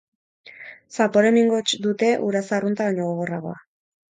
Zapore mingots dute, uraza arrunta baino gogorragoa.